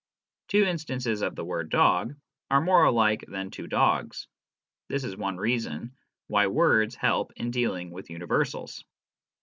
Two instances of the word " dog " are more alike than two dogs ; this is one reason why words help in dealing with universals.